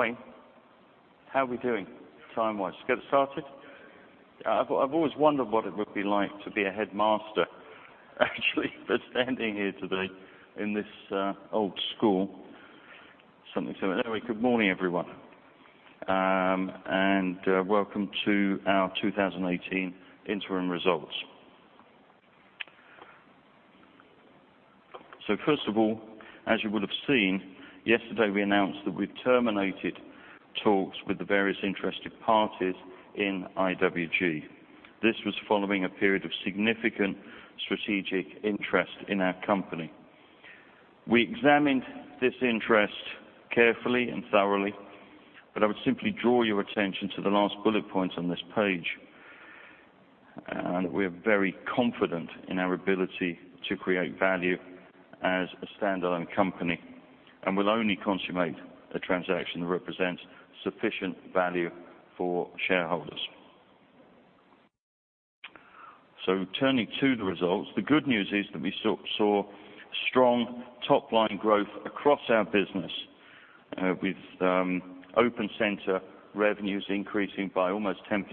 How are we doing time-wise? Let's get started. I've always wondered what it would be like to be a headmaster, actually, but standing here today in this old school. Something similar. Good morning, everyone, and welcome to our 2018 interim results. First of all, as you would have seen, yesterday, we announced that we've terminated talks with the various interested parties in IWG. This was following a period of significant strategic interest in our company. We examined this interest carefully and thoroughly, I would simply draw your attention to the last bullet point on this page. We are very confident in our ability to create value as a standalone company and will only consummate a transaction that represents sufficient value for shareholders. Turning to the results, the good news is that we saw strong top-line growth across our business with open center revenues increasing by almost 10%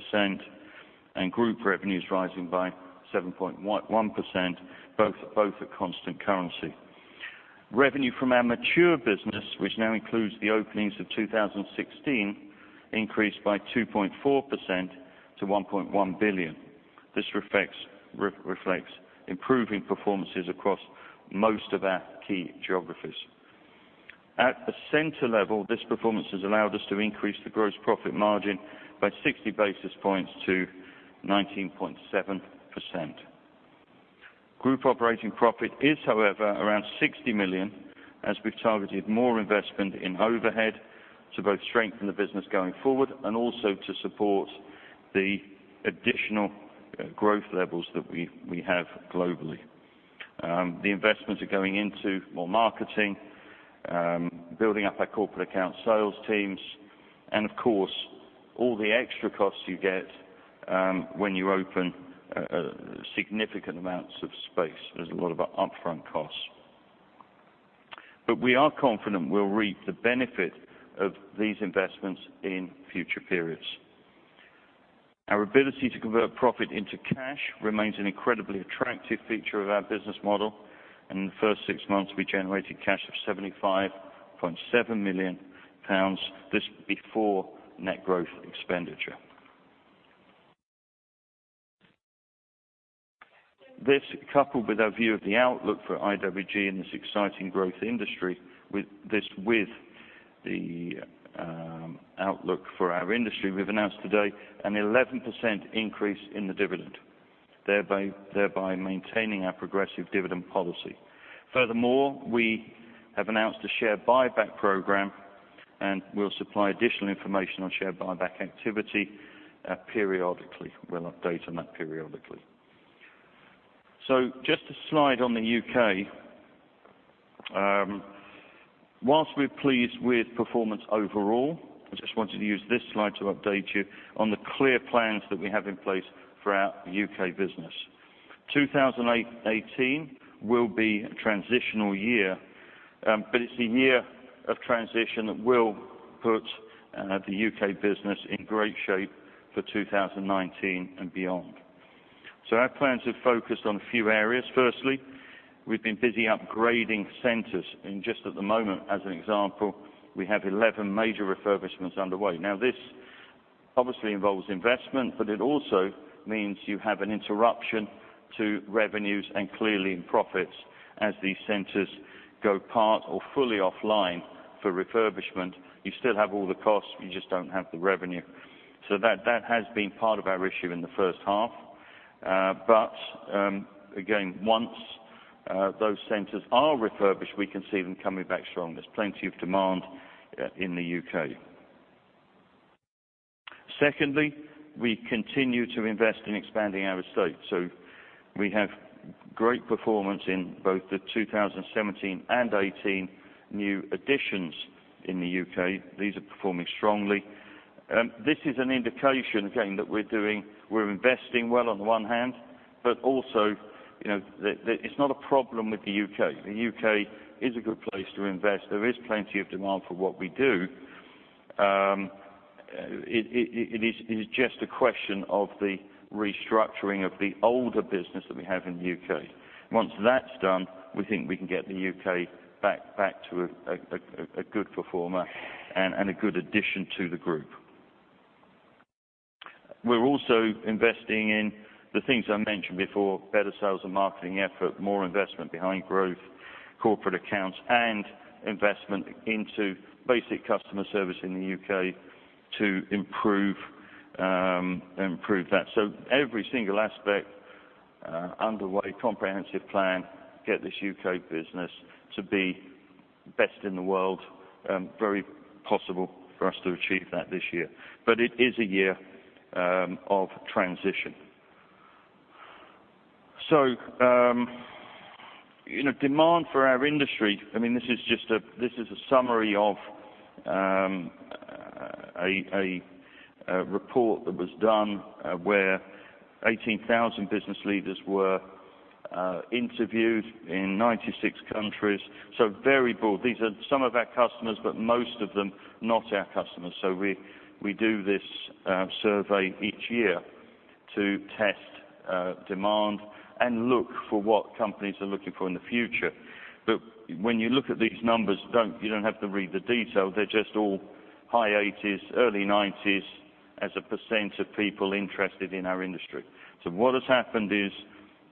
and group revenues rising by 7.1%, both at constant currency. Revenue from our mature business, which now includes the openings of 2016, increased by 2.4% to 1.1 billion. This reflects improving performances across most of our key geographies. At the center level, this performance has allowed us to increase the gross profit margin by 60 basis points to 19.7%. Group operating profit is, however, around 60 million, as we've targeted more investment in overhead to both strengthen the business going forward and also to support the additional growth levels that we have globally. The investments are going into more marketing, building up our corporate account sales teams, and of course, all the extra costs you get when you open significant amounts of space. There's a lot of upfront costs. We are confident we'll reap the benefit of these investments in future periods. Our ability to convert profit into cash remains an incredibly attractive feature of our business model, and in the first six months, we generated cash of 75.7 million pounds. This is before net growth expenditure. This, coupled with our view of the outlook for IWG in this exciting growth industry, with the outlook for our industry, we've announced today an 11% increase in the dividend, thereby maintaining our progressive dividend policy. Furthermore, we have announced a share buyback program, and we'll supply additional information on share buyback activity periodically. We'll update on that periodically. Just a slide on the U.K. Whilst we're pleased with performance overall, I just wanted to use this slide to update you on the clear plans that we have in place for our U.K. business. 2018 will be a transitional year, it's the year of transition that will put the U.K. business in great shape for 2019 and beyond. Our plans have focused on a few areas. Firstly, we've been busy upgrading centers. Just at the moment, as an example, we have 11 major refurbishments underway. This obviously involves investment, it also means you have an interruption to revenues and clearly in profits as these centers go part or fully offline for refurbishment. You still have all the costs, you just don't have the revenue. That has been part of our issue in the first half. Again, once those centers are refurbished, we can see them coming back strong. There's plenty of demand in the U.K. Secondly, we continue to invest in expanding our estate. We have great performance in both the 2017 and 2018 new additions in the U.K. These are performing strongly. This is an indication, again, that we're investing well on one hand, also, it's not a problem with the U.K. The U.K. is a good place to invest. There is plenty of demand for what we do. It is just a question of the restructuring of the older business that we have in the U.K. Once that's done, we think we can get the U.K. back to a good performer and a good addition to the group. We're also investing in the things I mentioned before, better sales and marketing effort, more investment behind growth, corporate accounts, and investment into basic customer service in the U.K. to improve that. Every single aspect underway, comprehensive plan, get this U.K. business to be best in the world. Very possible for us to achieve that this year. It is a year of transition. Demand for our industry. This is a summary of a report that was done where 18,000 business leaders were interviewed in 96 countries, so very broad. These are some of our customers, most of them, not our customers. We do this survey each year to test demand and look for what companies are looking for in the future. When you look at these numbers, you don't have to read the detail. They're just all high 80s, early 90s as a % of people interested in our industry. What has happened is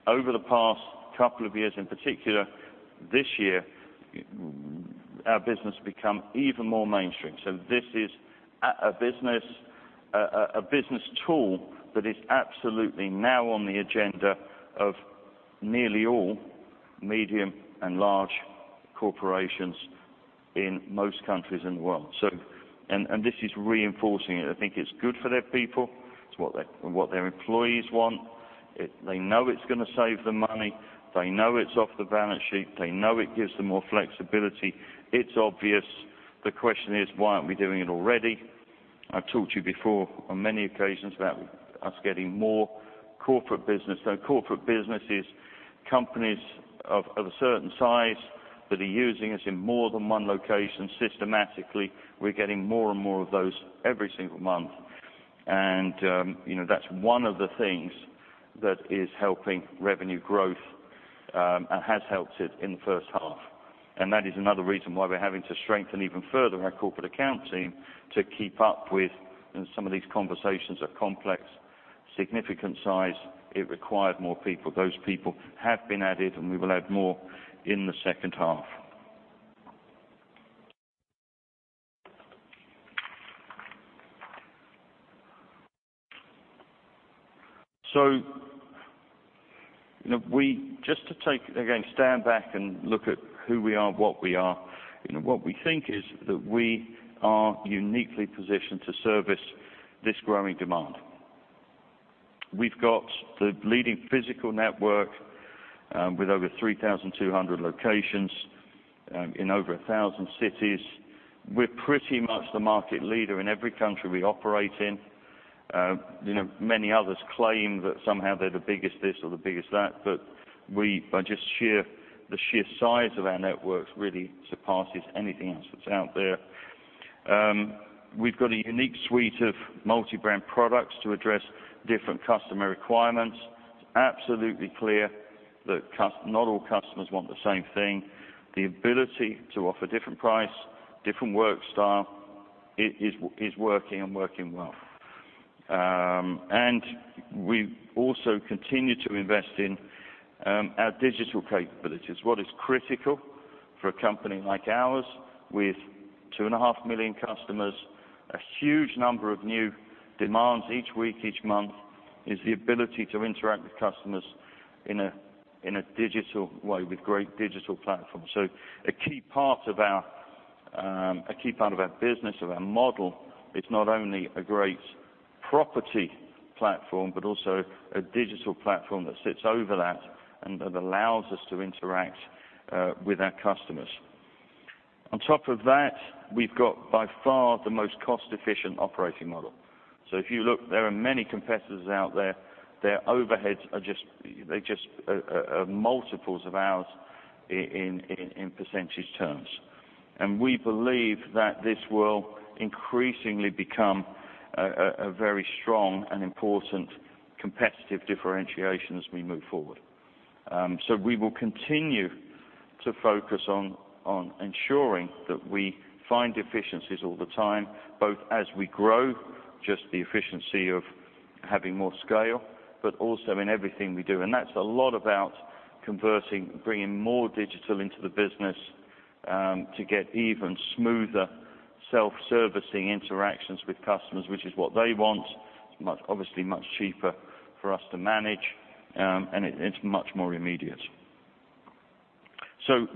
over the past couple of years, in particular this year, our business has become even more mainstream. This is a business tool that is absolutely now on the agenda of nearly all medium and large corporations in most countries in the world. This is reinforcing it. I think it's good for their people. It's what their employees want. They know it's going to save them money. They know it's off the balance sheet. They know it gives them more flexibility. It's obvious. The question is, why aren't we doing it already? I've talked to you before on many occasions about us getting more corporate business. Corporate business is companies of a certain size that are using us in more than one location systematically. We're getting more and more of those every single month. That's one of the things that is helping revenue growth and has helped it in the first half. That is another reason why we're having to strengthen even further our corporate account team to keep up with some of these conversations of complex, significant size. It required more people. Those people have been added, and we will add more in the second half. Just to take, again, stand back and look at who we are, what we are. What we think is that we are uniquely positioned to service this growing demand. We've got the leading physical network with over 3,200 locations in over 1,000 cities. We're pretty much the market leader in every country we operate in. Many others claim that somehow they're the biggest this or the biggest that, just the sheer size of our networks really surpasses anything else that's out there. We've got a unique suite of multi-brand products to address different customer requirements. It's absolutely clear that not all customers want the same thing. The ability to offer different price, different work style is working and working well. We also continue to invest in our digital capabilities. What is critical for a company like ours with 2.5 million customers, a huge number of new demands each week, each month, is the ability to interact with customers in a digital way with great digital platforms. A key part of our business, of our model, is not only a great property platform, but also a digital platform that sits over that and that allows us to interact with our customers. On top of that, we've got by far the most cost-efficient operating model. If you look, there are many competitors out there. Their overheads are just multiples of ours in percentage terms. We believe that this will increasingly become a very strong and important competitive differentiation as we move forward. We will continue to focus on ensuring that we find efficiencies all the time, both as we grow, just the efficiency of having more scale, but also in everything we do. That's a lot about converting, bringing more digital into the business to get even smoother self-servicing interactions with customers, which is what they want. It's obviously much cheaper for us to manage, and it's much more immediate.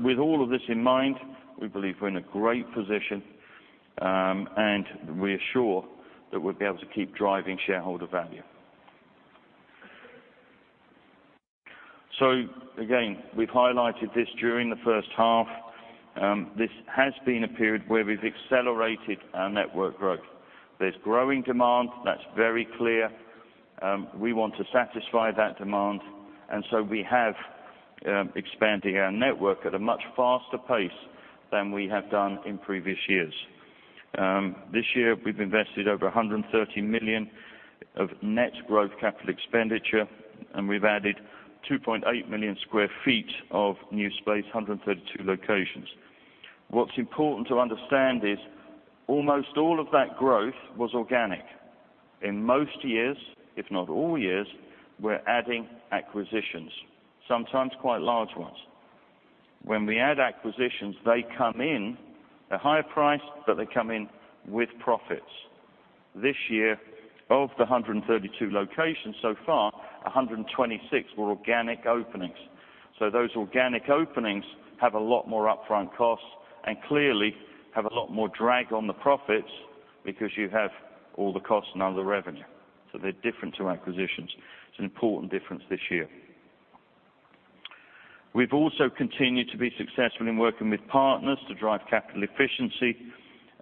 With all of this in mind, we believe we're in a great position, and we are sure that we'll be able to keep driving shareholder value. Again, we've highlighted this during the first half. This has been a period where we've accelerated our network growth. There's growing demand. That's very clear. We want to satisfy that demand. We have, expanding our network at a much faster pace than we have done in previous years. This year, we've invested over 130 million of net growth CapEx, and we've added 2.8 million sq ft of new space, 132 locations. What's important to understand is almost all of that growth was organic. In most years, if not all years, we're adding acquisitions, sometimes quite large ones. When we add acquisitions, they come in at a higher price, but they come in with profits. This year, of the 132 locations so far, 126 were organic openings. Those organic openings have a lot more upfront costs and clearly have a lot more drag on the profits because you have all the costs and none of the revenue. They're different to acquisitions. It's an important difference this year. We've also continued to be successful in working with partners to drive capital efficiency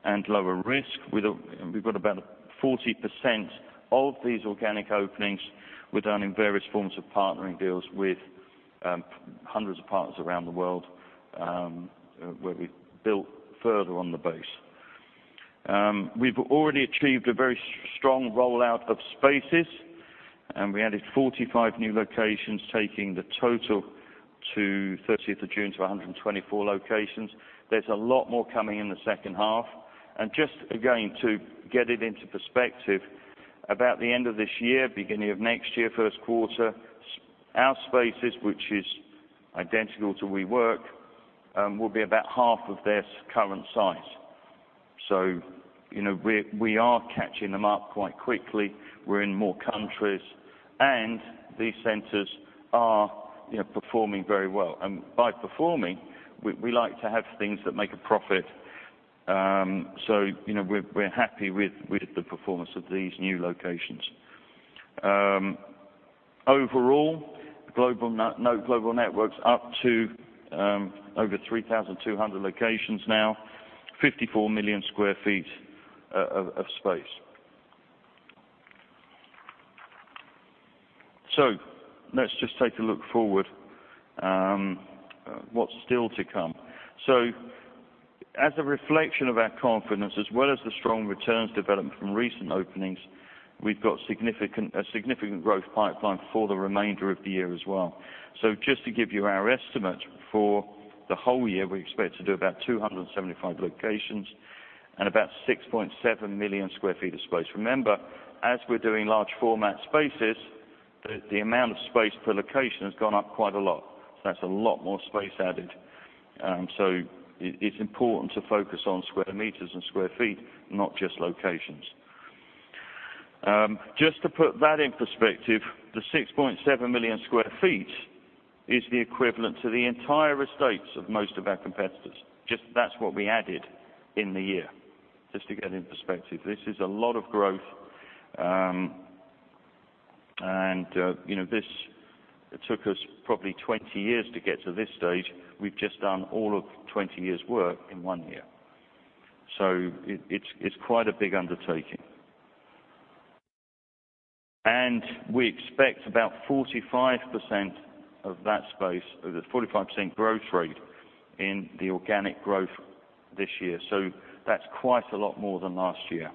and lower risk. We've got about 40% of these organic openings were done in various forms of partnering deals with hundreds of partners around the world, where we built further on the base. We've already achieved a very strong rollout of Spaces, and we added 45 new locations, taking the total to 30th of June to 124 locations. There's a lot more coming in the second half. Just again, to get it into perspective, about the end of this year, beginning of next year, first quarter, our Spaces, which is identical to WeWork, will be about half of their current size. We are catching them up quite quickly. We're in more countries, and these centers are performing very well. By performing, we like to have things that make a profit. We're happy with the performance of these new locations. Overall, global networks up to over 3,200 locations now, 54 million square feet of space. Let's just take a look forward. What's still to come. As a reflection of our confidence, as well as the strong returns development from recent openings, we've got a significant growth pipeline for the remainder of the year as well. Just to give you our estimate for the whole year, we expect to do about 275 locations and about 6.7 million square feet of space. Remember, as we're doing large format spaces, the amount of space per location has gone up quite a lot. That's a lot more space added. It's important to focus on square meters and square feet, not just locations. Just to put that in perspective, the 6.7 million square feet is the equivalent to the entire estates of most of our competitors. That's what we added in the year. Just to get it in perspective. This is a lot of growth. It took us probably 20 years to get to this stage. We've just done all of 20 years' work in one year. It's quite a big undertaking. We expect about 45% of that space, or the 45% growth rate in the organic growth this year. That's quite a lot more than last year.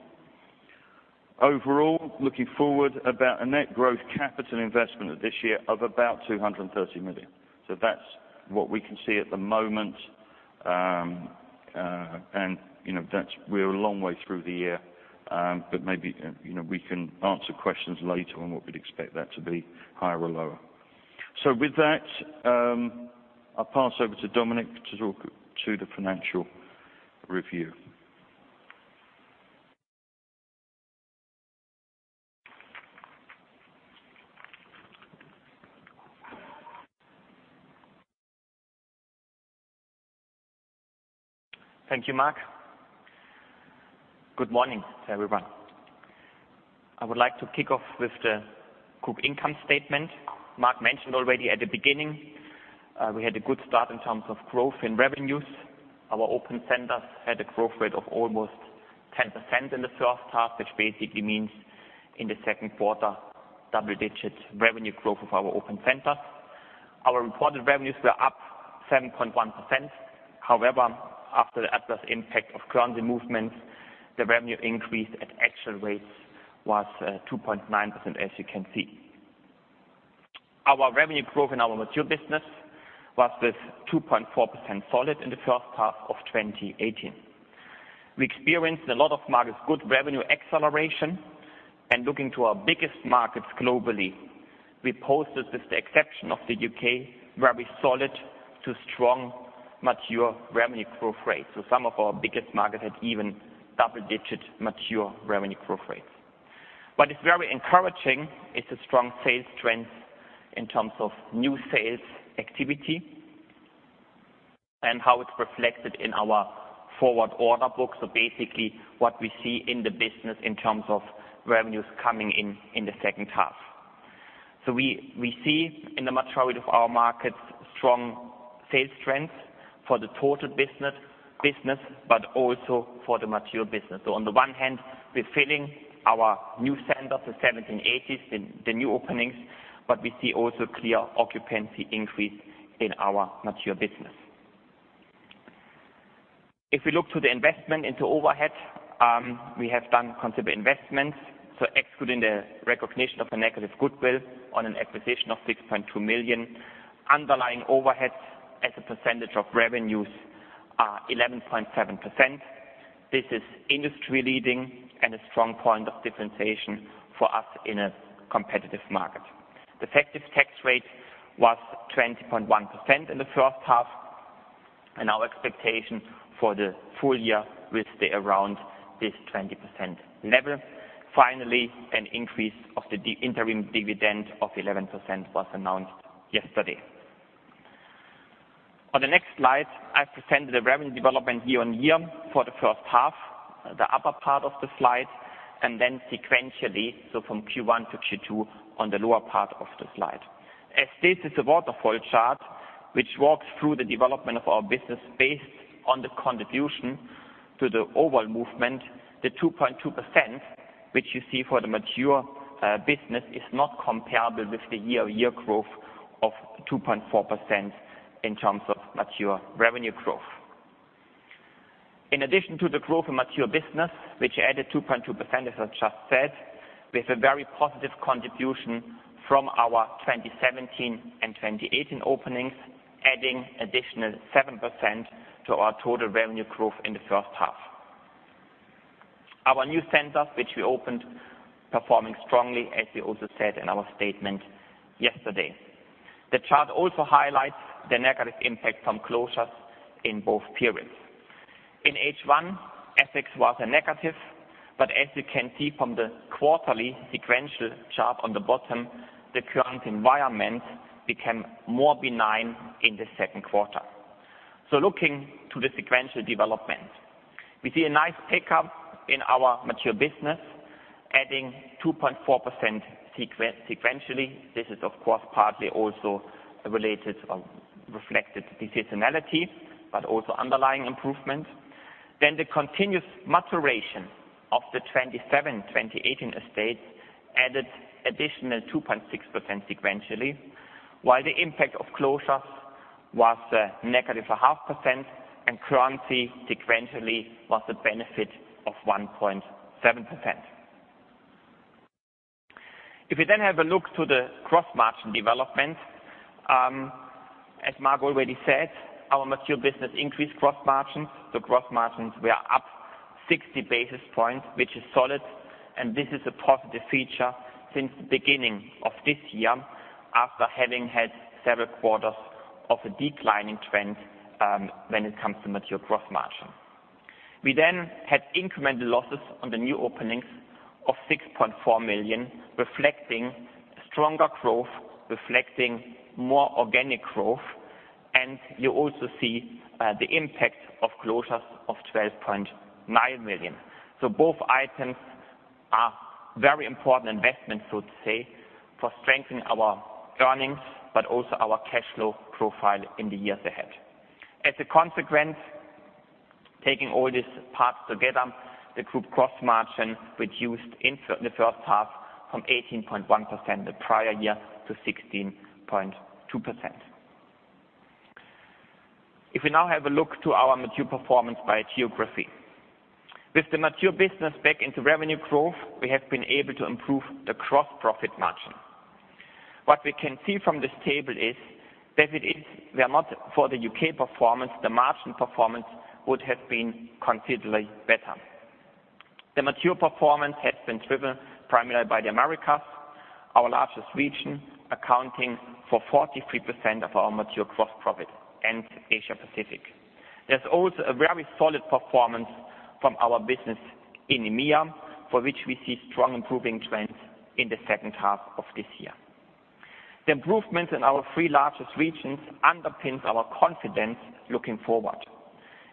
Overall, looking forward, about a net growth capital investment this year of about 230 million. That's what we can see at the moment. We're a long way through the year, but maybe we can answer questions later on what we'd expect that to be higher or lower. With that, I'll pass over to Dominic to talk to the financial review. Thank you, Mark. Good morning to everyone. I would like to kick off with the group income statement. Mark mentioned already at the beginning, we had a good start in terms of growth in revenues. Our open centers had a growth rate of almost 10% in the first half, which basically means in the second quarter, double-digit revenue growth of our open centers. Our reported revenues were up 7.1%. However, after the adverse impact of currency movements, the revenue increase at actual rates was 2.9%, as you can see. Our revenue growth in our mature business was this 2.4% solid in the first half of 2018. We experienced a lot of markets, good revenue acceleration, and looking to our biggest markets globally, we posted, with the exception of the U.K., very solid to strong mature revenue growth rates. Some of our biggest markets had even double-digit mature revenue growth rates. What is very encouraging is the strong sales trends in terms of new sales activity and how it's reflected in our forward order books. Basically, what we see in the business in terms of revenues coming in the second half. We see in the maturity of our markets strong sales trends for the total business but also for the mature business. On the one hand, we're filling our new centers, the 1,780, the new openings, but we see also clear occupancy increase in our mature business. If we look to the investment into overheads, we have done considerable investments. Excluding the recognition of the negative goodwill on an acquisition of 6.2 million, underlying overheads as a percentage of revenues are 11.7%. This is industry leading and a strong point of differentiation for us in a competitive market. Effective tax rate was 20.1% in the first half, and our expectation for the full year will stay around this 20% level. Finally, an increase of the interim dividend of 11% was announced yesterday. On the next slide, I presented the revenue development year-over-year for the first half, the upper part of the slide, and then sequentially, from Q1 to Q2 on the lower part of the slide. As this is a waterfall chart which walks through the development of our business based on the contribution to the overall movement, the 2.2%, which you see for the mature business, is not comparable with the year-over-year growth of 2.4% in terms of mature revenue growth. In addition to the growth in mature business, which added 2.2%, as I just said, with a very positive contribution from our 2017 and 2018 openings, adding additional 7% to our total revenue growth in the first half. Our new centers, which we opened, performing strongly, as we also said in our statement yesterday. The chart also highlights the negative impact from closures in both periods. In H1, FX was a negative, but as you can see from the quarterly sequential chart on the bottom, the current environment became more benign in the second quarter. Looking to the sequential development. We see a nice pickup in our mature business, adding 2.4% sequentially. This is, of course, partly also related or reflected seasonality, but also underlying improvement. The continuous maturation of the 2017, 2018 estate added additional 2.6% sequentially, while the impact of closures was a negative a half percent and currency sequentially was a benefit of 1.7%. If we have a look to the gross margin development, as Mark already said, our mature business increased gross margins. The gross margins were up 60 basis points, which is solid, and this is a positive feature since the beginning of this year, after having had several quarters of a declining trend when it comes to mature gross margin. We had incremental losses on the new openings of 6.4 million, reflecting stronger growth, reflecting more organic growth. You also see the impact of closures of 12.9 million. Both items are very important investments, so to say, for strengthening our earnings, but also our cash flow profile in the years ahead. As a consequence, taking all these parts together, the group gross margin reduced in the first half from 18.1% the prior year to 16.2%. If we now have a look to our mature performance by geography. With the mature business back into revenue growth, we have been able to improve the gross profit margin. What we can see from this table is that it is were not for the U.K. performance, the margin performance would have been considerably better. The mature performance has been driven primarily by the Americas, our largest region, accounting for 43% of our mature gross profit and Asia Pacific. There's also a very solid performance from our business in EMEA, for which we see strong improving trends in the second half of this year. The improvements in our three largest regions underpins our confidence looking forward.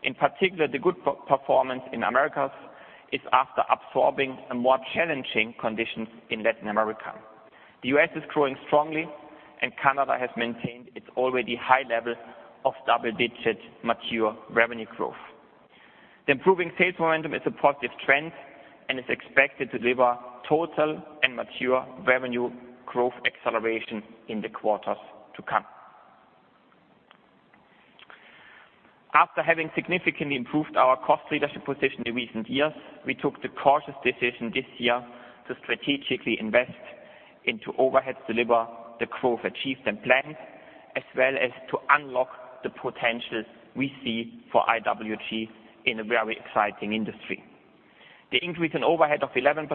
In particular, the good performance in Americas is after absorbing a more challenging conditions in Latin America. The U.S. is growing strongly and Canada has maintained its already high level of double-digit mature revenue growth. The improving sales momentum is a positive trend and is expected to deliver total and mature revenue growth acceleration in the quarters to come. After having significantly improved our cost leadership position in recent years, we took the cautious decision this year to strategically invest into overheads, deliver the growth achieved and planned, as well as to unlock the potentials we see for IWG in a very exciting industry. The increase in overhead of 11%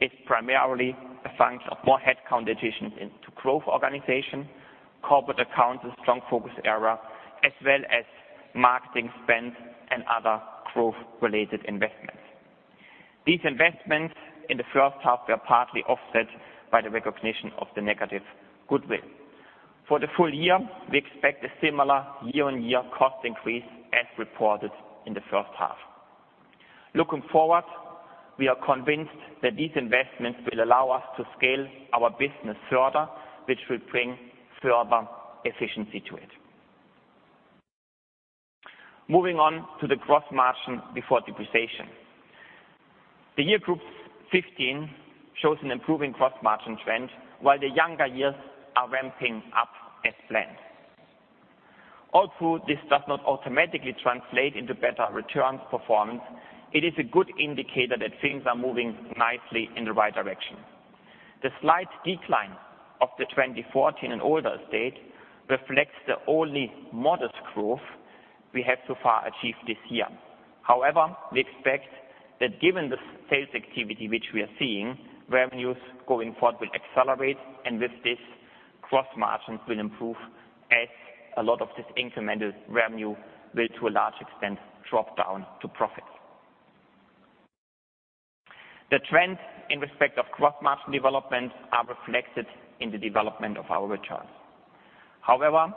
is primarily a function of more headcount additions into growth organization, corporate accounts and strong focus area, as well as marketing spend and other growth-related investments. These investments in the first half were partly offset by the recognition of the negative goodwill. For the full year, we expect a similar year-on-year cost increase as reported in the first half. Looking forward, we are convinced that these investments will allow us to scale our business further, which will bring further efficiency to it. Moving on to the gross margin before depreciation. The year group '15 shows an improving gross margin trend, while the younger years are ramping up as planned. Although this does not automatically translate into better returns performance, it is a good indicator that things are moving nicely in the right direction. The slight decline of the 2014 and older estate reflects the only modest growth we have so far achieved this year. We expect that given the sales activity which we are seeing, revenues going forward will accelerate, and with this, gross margins will improve as a lot of this incremental revenue will, to a large extent, drop down to profit. The trend in respect of gross margin development are reflected in the development of our returns. However,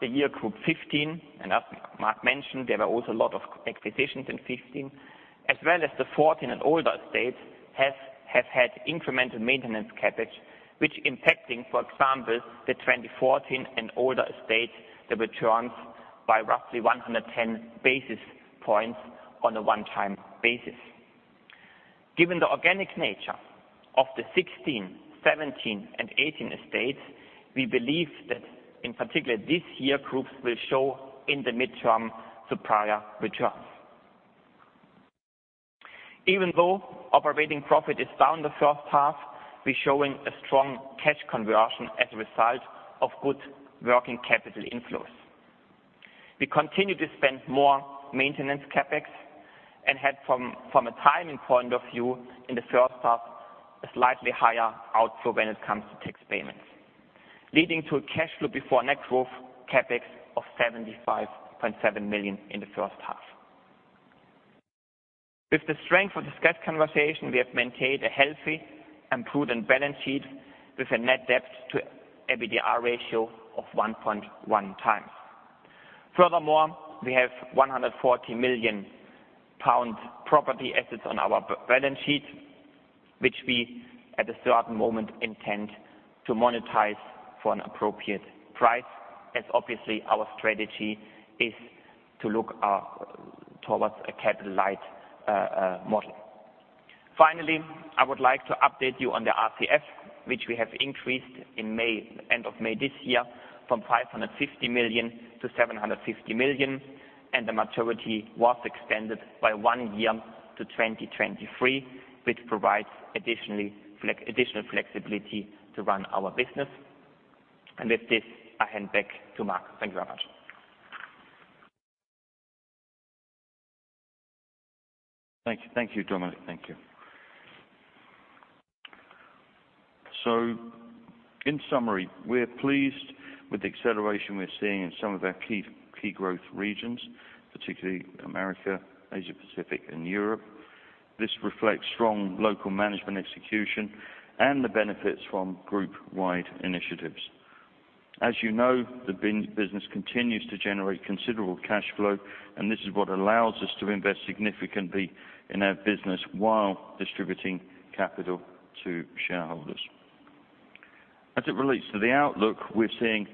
the year group '15, and as Mark mentioned, there were also a lot of acquisitions in '15, as well as the '14 and older estates have had incremental maintenance CapEx, which impacting, for example, the 2014 and older estates, the returns by roughly 110 basis points on a one-time basis. Given the organic nature of the '16, '17, and '18 estates, we believe that in particular, these year groups will show in the midterm superior returns. Even though operating profit is down the first half, we're showing a strong cash conversion as a result of good working capital inflows. We continue to spend more maintenance CapEx and had from a timing point of view in the first half, a slightly higher outflow when it comes to tax payments, leading to a cash flow before net growth CapEx of 75.7 million in the first half. With the strength of the cash conversation, we have maintained a healthy and prudent balance sheet with a net debt to EBITDA ratio of 1.1 times. Furthermore, we have 140 million pound property assets on our balance sheet, which we, at a certain moment, intend to monetize for an appropriate price as obviously, our strategy is to look towards a capital light model. Finally, I would like to update you on the RCF, which we have increased in end of May this year from 550 million to 750 million, and the maturity was extended by 1 year to 2023, which provides additional flexibility to run our business. With this, I hand back to Mark. Thank you very much. Thank you, Dominic. Thank you. In summary, we're pleased with the acceleration we're seeing in some of our key growth regions, particularly America, Asia Pacific and Europe. This reflects strong local management execution and the benefits from group wide initiatives. As you know, the business continues to generate considerable cash flow, and this is what allows us to invest significantly in our business while distributing capital to shareholders. As it relates to the outlook, we're seeing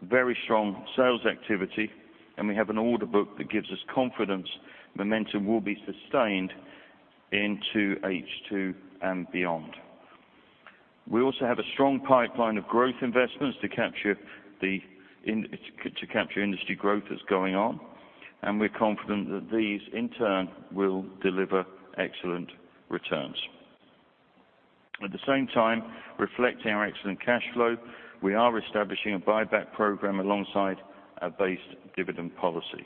very strong sales activity, and we have an order book that gives us confidence momentum will be sustained into H2 and beyond. We also have a strong pipeline of growth investments to capture industry growth that's going on, and we're confident that these in turn will deliver excellent returns. At the same time, reflecting our excellent cash flow, we are establishing a buyback program alongside a base dividend policy.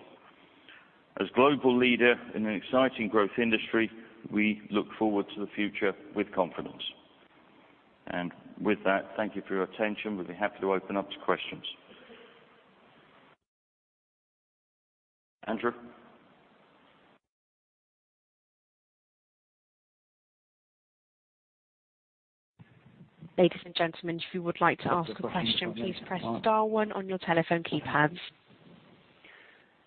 As global leader in an exciting growth industry, we look forward to the future with confidence. With that, thank you for your attention. We'll be happy to open up to questions. Andrew? Ladies and gentlemen, if you would like to ask a question, please press star one on your telephone keypads.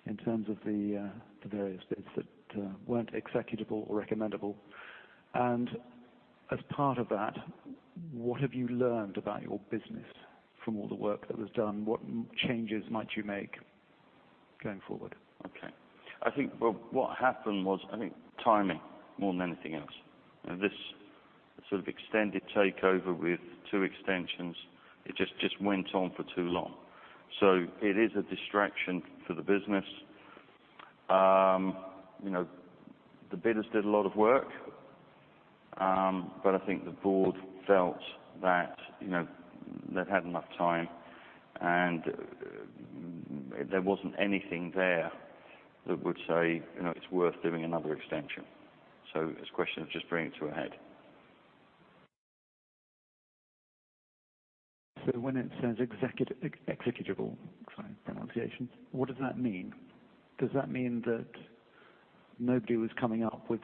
In terms of the various bids that weren't executable or recommendable, and as part of that, what have you learned about your business from all the work that was done? What changes might you make going forward? Okay. I think what happened was, I think timing more than anything else. This sort of extended takeover with two extensions, it just went on for too long. It is a distraction for the business. The bidders did a lot of work, but I think the board felt that they'd had enough time, and there wasn't anything there that would say it's worth doing another extension. It's a question of just bringing it to a head. When it says executable, sorry, pronunciation, what does that mean? Does that mean that nobody was coming up with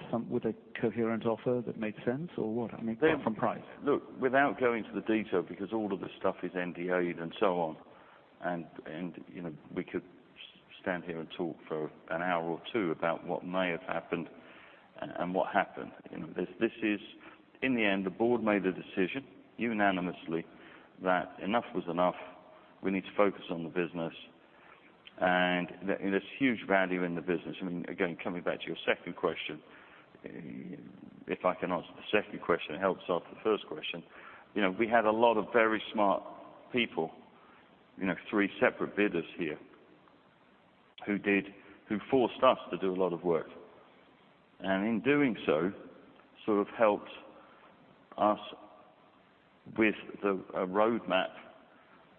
a coherent offer that made sense or what? I mean, apart from price. without going into the detail because all of this stuff is NDA and so on, we could stand here and talk for an hour or two about what may have happened and what happened. In the end, the board made a decision unanimously that enough was enough. We need to focus on the business and there's huge value in the business. Again, coming back to your second question, if I can answer the second question, it helps answer the first question. We had a lot of very smart people, three separate bidders here, who forced us to do a lot of work. In doing so, sort of helped us with the roadmap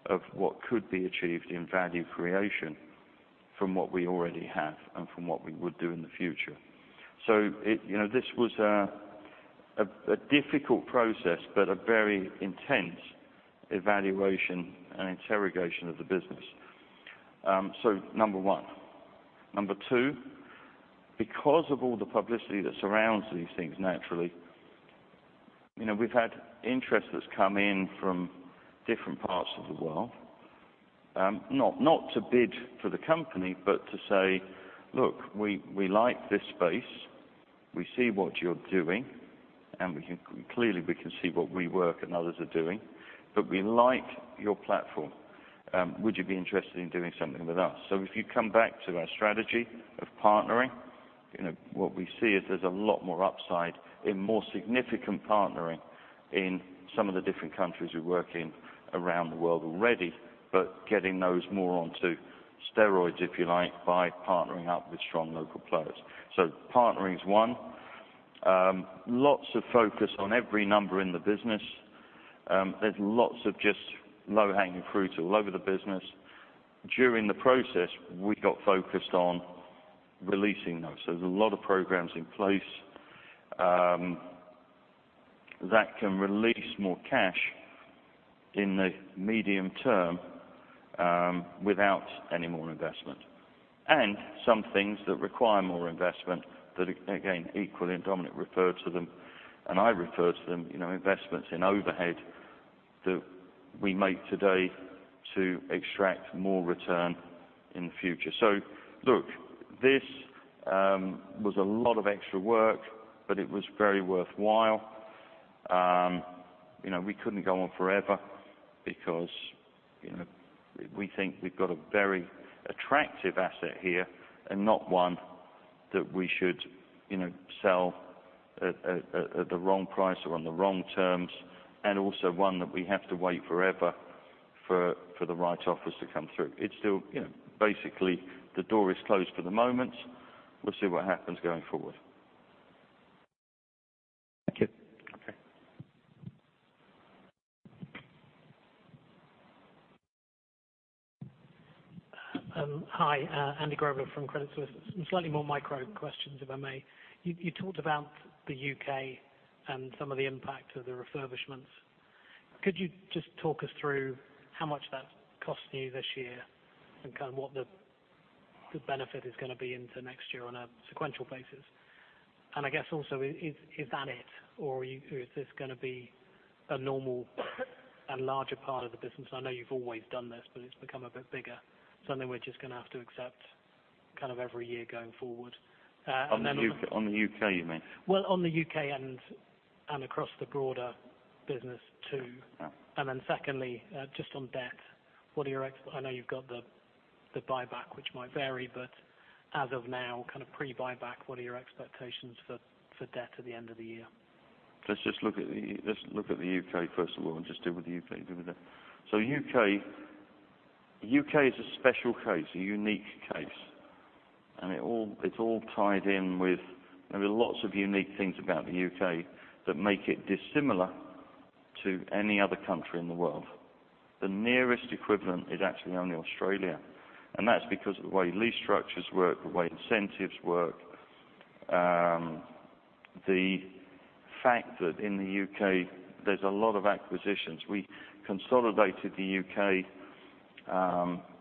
of what could be achieved in value creation from what we already have and from what we would do in the future. This was a difficult process, but a very intense evaluation and interrogation of the business. Number one. Number two, because of all the publicity that surrounds these things, naturally, we've had interest that's come in from different parts of the world. Not to bid for the company, but to say, "Look, we like this space. We see what you're doing, and clearly we can see what WeWork and others are doing, but we like your platform. Would you be interested in doing something with us?" If you come back to our strategy of partnering, what we see is there's a lot more upside in more significant partnering in some of the different countries we work in around the world already, but getting those more onto steroids, if you like, by partnering up with strong local players. Partnering is one. Lots of focus on every number in the business. There's lots of just low-hanging fruit all over the business. During the process, we got focused on releasing those. There's a lot of programs in place that can release more cash in the medium term without any more investment. Some things that require more investment that, again, equally, Dominic referred to them, and I referred to them, investments in overhead that we make today to extract more return in the future. Look, this was a lot of extra work, but it was very worthwhile. We couldn't go on forever because we think we've got a very attractive asset here and not one that we should sell at the wrong price or on the wrong terms, and also one that we have to wait forever for the right offers to come through. Basically, the door is closed for the moment. We'll see what happens going forward. Thank you. Okay. Hi, Andy Grobler from Credit Suisse. Some slightly more micro questions, if I may. You talked about the U.K. and some of the impact of the refurbishments. Could you just talk us through how much that cost you this year and kind of what the benefit is going to be into next year on a sequential basis? I guess also, is that it, or is this going to be a normal and larger part of the business? I know you've always done this, but it's become a bit bigger. Something we're just going to have to accept kind of every year going forward. On the U.K., you mean? On the U.K. and across the broader business too. Secondly, just on debt, I know you've got the buyback, which might vary, but as of now, kind of pre-buyback, what are your expectations for debt at the end of the year? Let's look at the U.K. first of all and just deal with the U.K. and deal with it. U.K. is a special case, a unique case, and it's all tied in with There are lots of unique things about the U.K. that make it dissimilar to any other country in the world. The nearest equivalent is actually only Australia, and that's because of the way lease structures work, the way incentives work, the fact that in the U.K. there's a lot of acquisitions. We consolidated the U.K.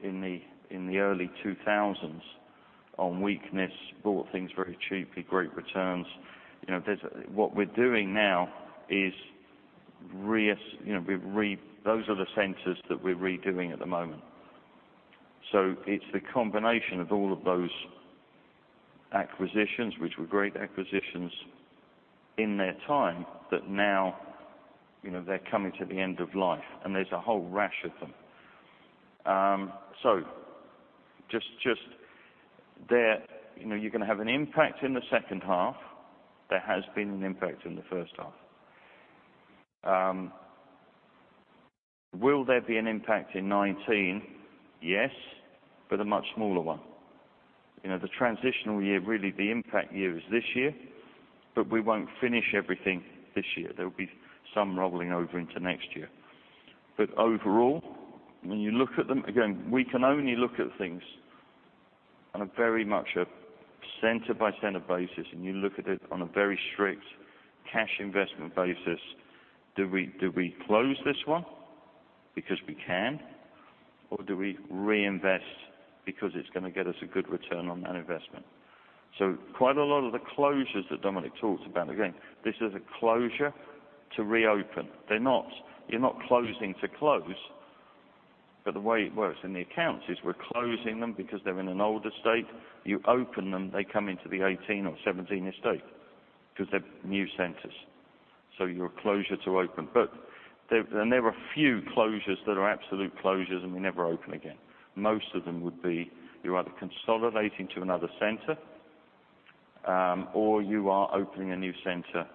in the early 2000s on weakness, bought things very cheaply, great returns. What we're doing now is, those are the centers that we're redoing at the moment. It's the combination of all of those acquisitions, which were great acquisitions in their time, but now they're coming to the end of life and there's a whole rash of them. Just there, you're going to have an impact in the second half. There has been an impact in the first half. Will there be an impact in 2019? Yes, but a much smaller one. The transitional year, really the impact year is this year, but we won't finish everything this year. There'll be some rolling over into next year. Overall, when you look at them, again, we can only look at things on a very much a center-by-center basis, and you look at it on a very strict cash investment basis. Do we close this one because we can, or do we reinvest because it's going to get us a good return on that investment? Quite a lot of the closures that Dominic talked about, again, this is a closure to reopen. You're not closing to close. The way it works in the accounts is we're closing them because they're in an older state. You open them, they come into the 2018 or 2017 estate because they're new centers. You're a closure to open. There are a few closures that are absolute closures, and we never open again. Most of them would be you're either consolidating to another center, or you are opening a new center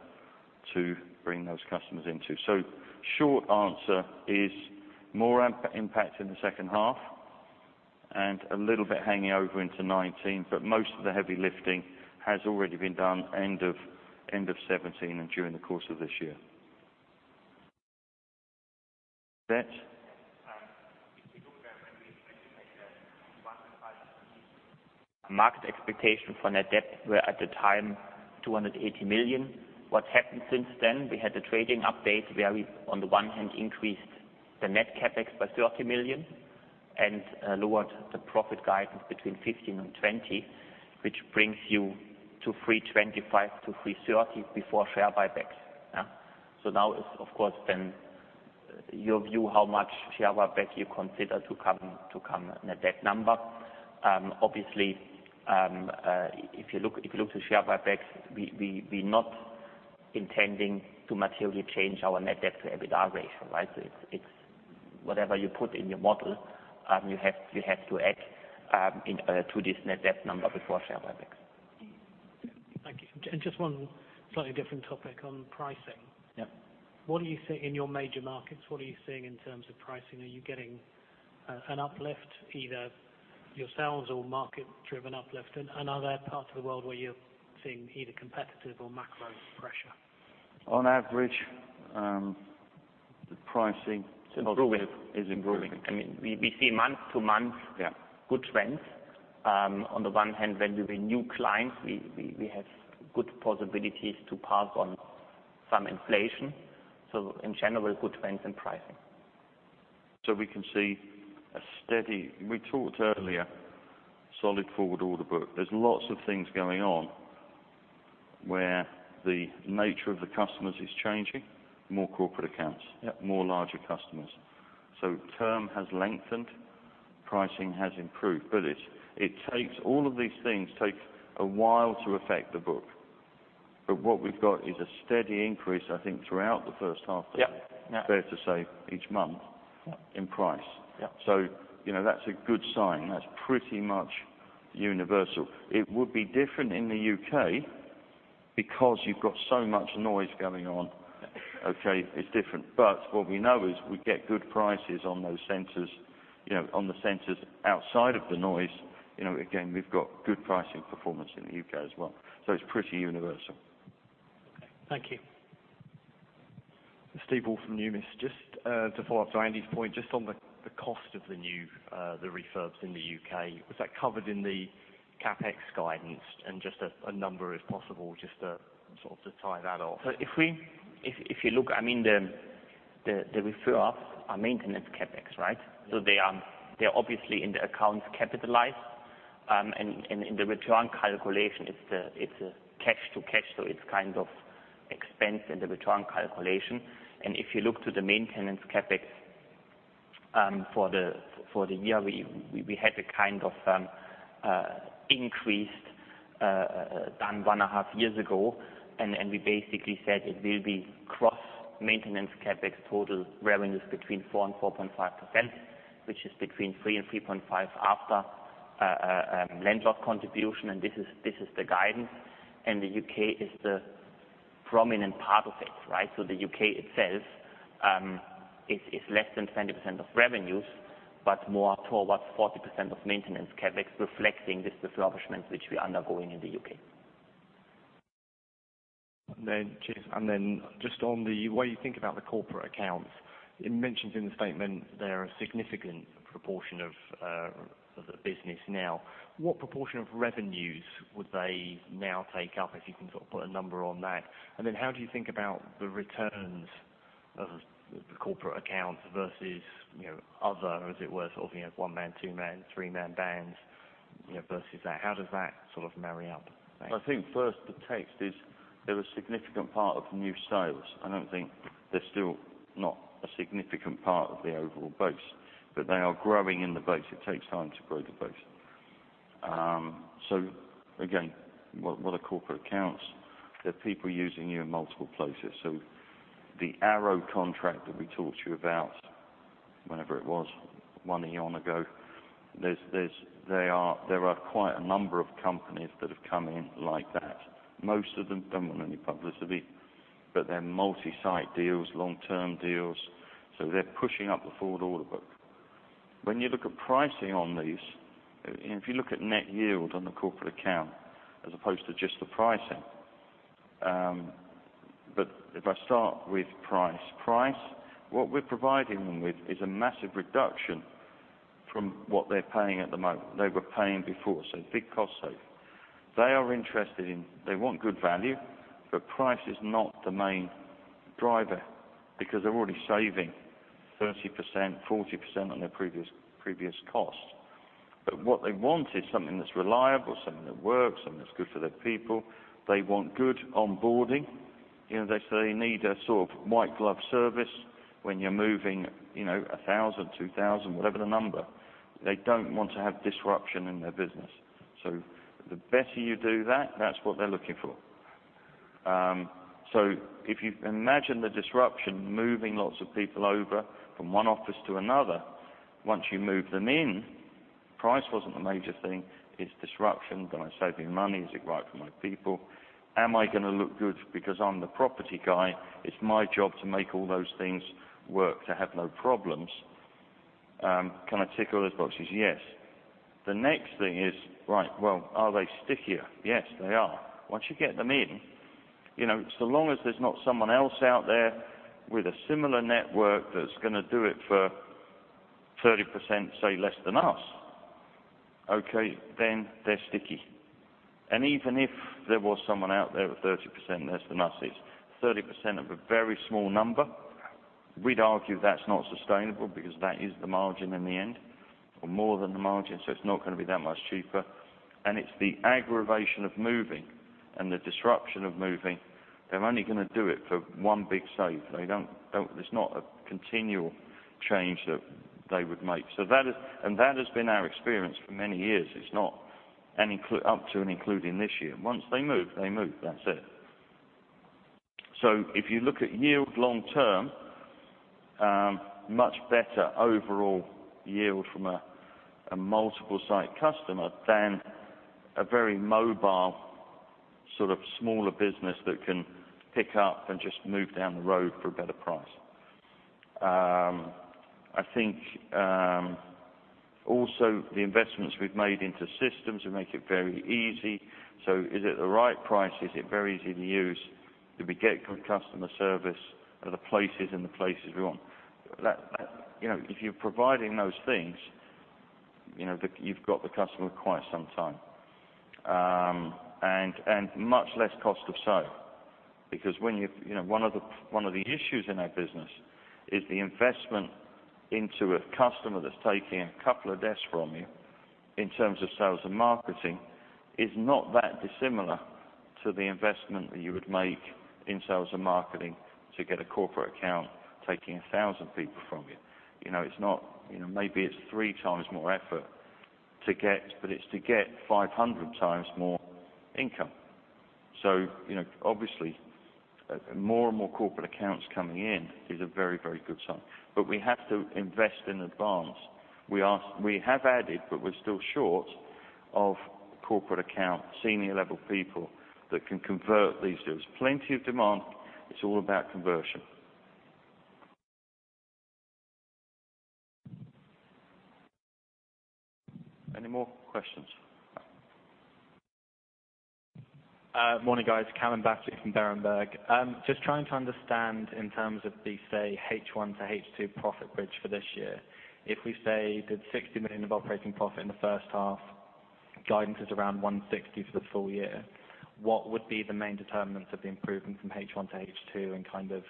to bring those customers into. Short answer is more impact in the second half and a little bit hanging over into 2019, but most of the heavy lifting has already been done end of 2017 and during the course of this year. Debt? If we talk about maybe Market expectation for net debt were at the time 280 million. What's happened since then, we had the trading update where we, on the one hand, increased the net CapEx by 30 million and lowered the profit guidance between 15 and 20, which brings you to 325-330 before share buybacks. Now it's of course then your view how much share buyback you consider to come net debt number. Obviously, if you look to share buybacks, we're not intending to materially change our net debt to EBITDA ratio, right? It's whatever you put in your model, you have to add to this net debt number before share buybacks. Thank you. Just one slightly different topic on pricing. Yeah. In your major markets, what are you seeing in terms of pricing? Are you getting an uplift, either yourselves or market-driven uplift? Are there parts of the world where you're seeing either competitive or macro pressure? On average, the pricing- It's improving. is improving. I mean, we see month to month. Yeah good trends. On the one hand, when with the new clients, we have good possibilities to pass on some inflation, so in general, good trends in pricing. We can see a steady. We talked earlier, solid forward order book. There is lots of things going on where the nature of the customers is changing, more corporate accounts. Yeah. More larger customers. Term has lengthened, pricing has improved. All of these things take a while to affect the book. What we have got is a steady increase, I think, throughout the first half of the year. Yeah. Fair to say each month in price. Yeah. That is a good sign. That is pretty much universal. It would be different in the U.K. because you have got so much noise going on. Okay? It is different. What we know is we get good prices on the centers outside of the noise. Again, we have got good pricing performance in the U.K. as well. It is pretty universal. Thank you. Steve Bull from Numis. Just to follow up to Andy's point, just on the cost of the refurbs in the U.K. Was that covered in the CapEx guidance? Just a number if possible, just to sort of to tie that off. If you look, I mean, the refurbs are maintenance CapEx, right? They are obviously in the accounts capitalized. In the return calculation, it's a cash to cash, so it's kind of expense in the return calculation. If you look to the maintenance CapEx for the year, we had a kind of increased than one and a half years ago, we basically said it will be cross maintenance CapEx total revenues between 4%-4.5%, which is between 3%-3.5% after landlord contribution, this is the guidance. The U.K. is the prominent part of it, right? The U.K. itself is less than 20% of revenues, but more towards 40% of maintenance CapEx reflecting this refurbishment which we are undergoing in the U.K. Just on the way you think about the corporate accounts, it mentions in the statement they're a significant proportion of the business now. What proportion of revenues would they now take up, if you can sort of put a number on that? How do you think about the returns of the corporate accounts versus other, as it were, sort of one man, two man, three man bands versus that? How does that sort of marry up? Thanks. I think first to take is they're a significant part of new sales. I don't think they're still not a significant part of the overall base, but they are growing in the base. It takes time to grow the base. Again, what are corporate accounts? They're people using you in multiple places. The Arrow contract that we talked to you about, whenever it was, one eon ago, there are quite a number of companies that have come in like that. Most of them don't want any publicity, but they're multi-site deals, long-term deals, so they're pushing up the forward order book. When you look at pricing on these, if you look at net yield on the corporate account as opposed to just the pricing. If I start with price, what we're providing them with is a massive reduction from what they're paying at the moment, they were paying before. Big cost save. They are interested in. They want good value, but price is not the main driver because they're already saving 30%, 40% on their previous cost. What they want is something that's reliable, something that works, something that's good for their people. They want good onboarding. They need a sort of white glove service when you're moving 1,000, 2,000, whatever the number. They don't want to have disruption in their business. The better you do that's what they're looking for. If you imagine the disruption, moving lots of people over from one office to another. Once you move them in, price wasn't the major thing. It's disruption. Do I save you money? Is it right for my people? Am I gonna look good because I'm the property guy? It's my job to make all those things work, to have no problems. Can I tick all those boxes? Yes. The next thing is, right, well, are they stickier? Yes, they are. Once you get them in. So long as there's not someone else out there with a similar network that's going to do it for 30% say less than us. Okay, they're sticky. Even if there was someone out there with 30% less than us, it's 30% of a very small number. We'd argue that's not sustainable because that is the margin in the end or more than the margin. It's not going to be that much cheaper. It's the aggravation of moving and the disruption of moving. They're only going to do it for one big save. There's not a continual change that they would make. That has been our experience for many years, up to and including this year. Once they move, they move. That's it. If you look at yield long term, much better overall yield from a multiple site customer than a very mobile sort of smaller business that can pick up and just move down the road for a better price. I think, also the investments we've made into systems would make it very easy. Is it the right price? Is it very easy to use? Do we get good customer service? Are the places in the places we want? If you're providing those things, you've got the customer quite some time. Much less cost of sale. One of the issues in our business is the investment into a customer that's taking a couple of desks from you in terms of sales and marketing is not that dissimilar to the investment that you would make in sales and marketing to get a corporate account taking 1,000 people from you. Maybe it's three times more effort, but it's to get 500 times more income. Obviously, more and more corporate accounts coming in is a very, very good sign. We have to invest in advance. We have added, but we're still short of corporate account, senior level people that can convert these deals. Plenty of demand. It's all about conversion. Any more questions? Morning, guys. Calum Batten from Berenberg. Just trying to understand in terms of the, say, H1 to H2 profit bridge for this year. If we say did 60 million of operating profit in the first half, guidance is around 160 million for the full year, what would be the main determinants of the improvement from H1 to H2 and kind of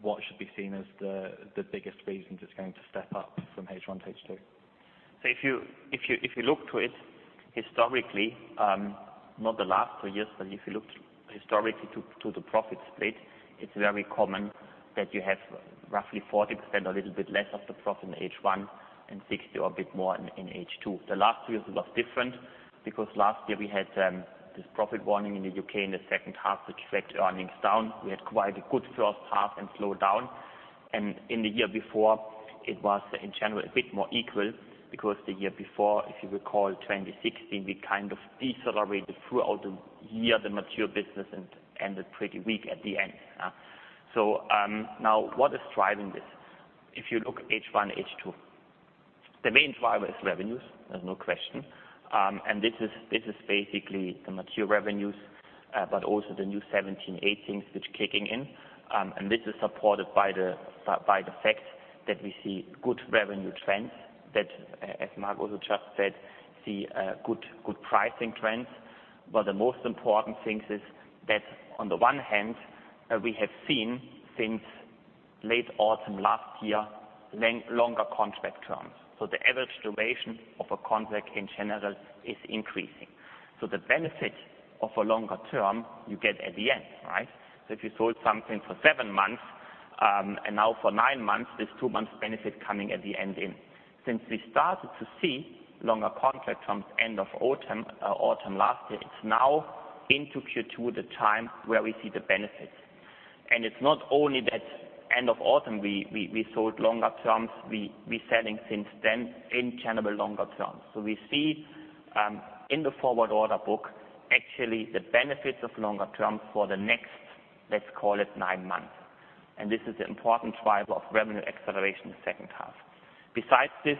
what should be seen as the biggest reasons it's going to step up from H1 to H2? If you look to it historically, not the last two years, but if you looked historically to the profit split, it's very common that you have roughly 40%, or a little bit less of the profit in H1 and 60% or a bit more in H2. The last two years was different because last year we had this profit warning in the U.K. in the second half, which dragged earnings down. We had quite a good first half and slowed down. In the year before, it was in general a bit more equal because the year before, if you recall 2016, we kind of decelerated throughout the year, the mature business, and ended pretty weak at the end. Now what is driving this? If you look H1, H2. The main driver is revenues. There's no question. This is basically the mature revenues, but also the new 2017, 2018, which kicking in. This is supported by the fact that we see good revenue trends that, as Mark just said, see good pricing trends. The most important things is that on the one hand, we have seen since late autumn last year, longer contract terms. The average duration of a contract in general is increasing. The benefit of a longer term you get at the end, right? If you sold something for seven months, and now for nine months, there's two months benefit coming at the end in. Since we started to see longer contract terms end of autumn last year, it's now into Q2, the time where we see the benefits. It's not only that end of autumn we sold longer terms, we selling since then in general longer terms. We see, in the forward order book, actually the benefits of longer terms for the next, let's call it nine months. This is the important driver of revenue acceleration in the second half. Besides this,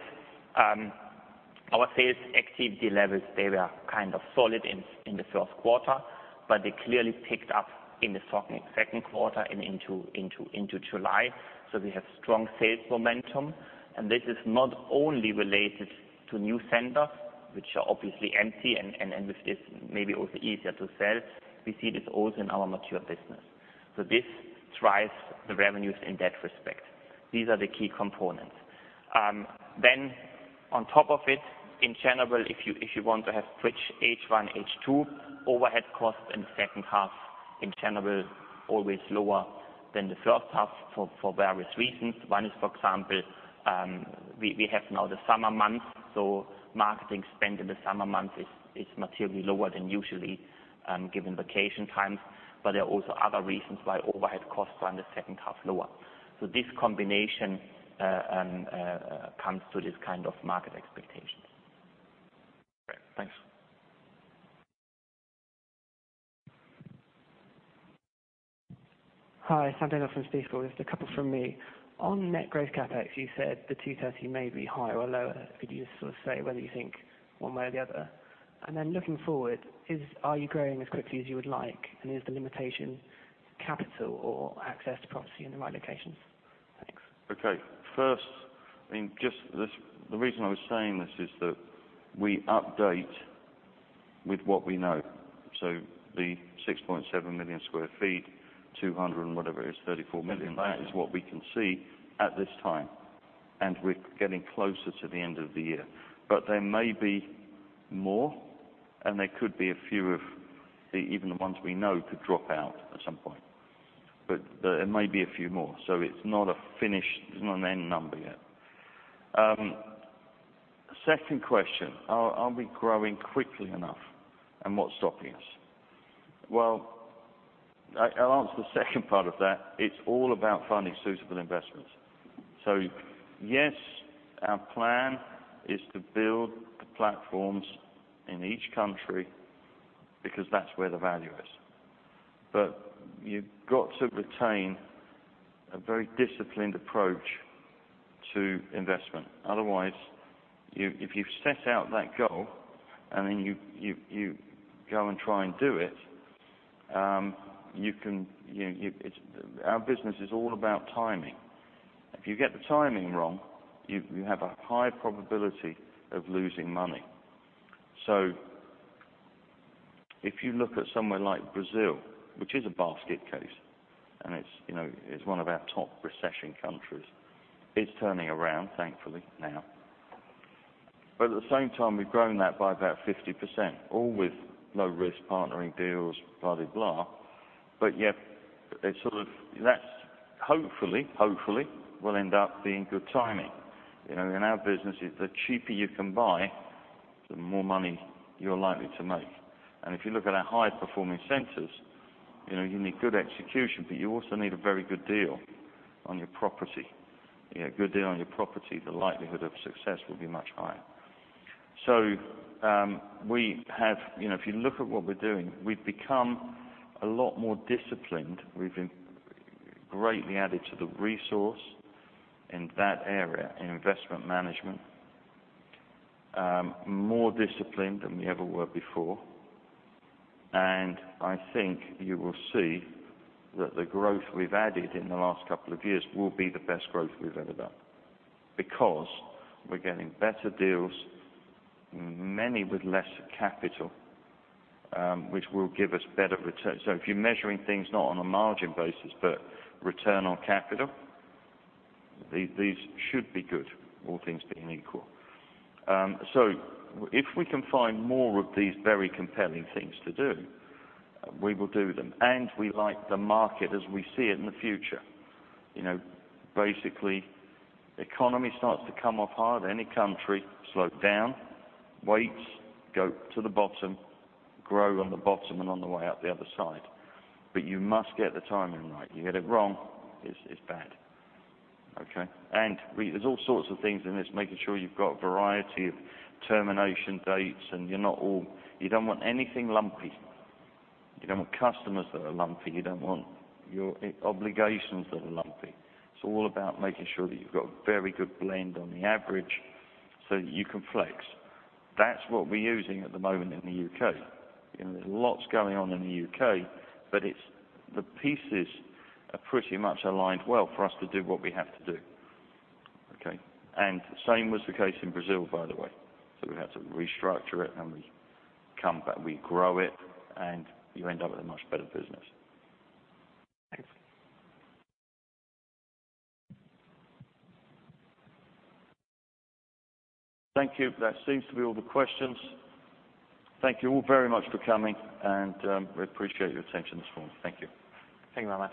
our sales activity levels, they were kind of solid in the first quarter, but they clearly picked up in the second quarter and into July. We have strong sales momentum, and this is not only related to new centers, which are obviously empty and with this maybe also easier to sell. We see this also in our mature business. This drives the revenues in that respect. These are the key components. Then on top of it, in general, if you want to have switch H1, H2, overhead costs in the second half in general, always lower than the first half for various reasons. One is, for example, we have now the summer months, marketing spend in the summer months is materially lower than usually, given vacation times. There are also other reasons why overhead costs are in the second half lower. This combination comes to this kind of market expectations. Great. Thanks. Hi, Sam Dindol from Stifel. Just a couple from me. On net growth CapEx, you said the 230 may be higher or lower. Could you just sort of say whether you think one way or the other? Then looking forward, are you growing as quickly as you would like? Is the limitation capital or access to property in the right locations? Thanks. Okay. First, the reason I was saying this is that we update with what we know. The 6.7 million sq ft, 200 and whatever it is, 34 million- that is what we can see at this time. We're getting closer to the end of the year. There may be more, and there could be a few of even the ones we know could drop out at some point. There may be a few more, so it's not a finished, it's not an end number yet. Second question, are we growing quickly enough, and what's stopping us? I'll answer the second part of that. It's all about finding suitable investments. Yes, our plan is to build the platforms in each country because that's where the value is. You've got to retain a very disciplined approach to investment. Otherwise, if you set out that goal and then you go and try and do it, our business is all about timing. If you get the timing wrong, you have a high probability of losing money. If you look at somewhere like Brazil, which is a basket case, and it's one of our top recession countries. It's turning around, thankfully, now. At the same time, we've grown that by about 50%, all with low-risk partnering deals, blah, di, blah. Yet, that hopefully will end up being good timing. In our business, it's the cheaper you can buy, the more money you're likely to make. If you look at our high-performing centers, you need good execution, you also need a very good deal on your property. You get a good deal on your property, the likelihood of success will be much higher. If you look at what we're doing, we've become a lot more disciplined. We've greatly added to the resource in that area, in investment management. More disciplined than we ever were before. I think you will see that the growth we've added in the last couple of years will be the best growth we've ever done because we're getting better deals, many with less capital, which will give us better returns. If you're measuring things not on a margin basis, but return on capital, these should be good, all things being equal. If we can find more of these very compelling things to do, we will do them. We like the market as we see it in the future. Basically, economy starts to come off hard, any country, slow down, wait, go to the bottom, grow on the bottom and on the way out the other side. You must get the timing right. You get it wrong, it's bad. Okay? There's all sorts of things in this, making sure you've got a variety of termination dates, you don't want anything lumpy. You don't want customers that are lumpy. You don't want your obligations that are lumpy. It's all about making sure that you've got a very good blend on the average so that you can flex. That's what we're using at the moment in the U.K. There's lots going on in the U.K., the pieces are pretty much aligned well for us to do what we have to do. Okay. Same was the case in Brazil, by the way. We had to restructure it, and we come back, we grow it, and you end up with a much better business. Thanks. Thank you. That seems to be all the questions. Thank you all very much for coming, and we appreciate your attention this morning. Thank you. Thank you very much.